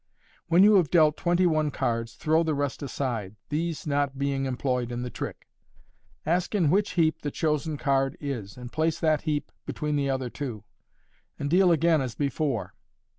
When you have dealt twenty one cards, throw the rest aside, these not being employed in the trick. Ask in which heap the chosen card is, and place that heap between the other two, and deal again as before.